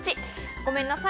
ごめんなさい。